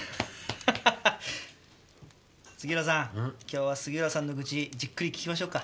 今日は杉浦さんの愚痴じっくり聞きましょうか。